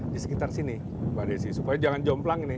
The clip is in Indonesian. di sekitar sini pak desi supaya jangan jomplang nih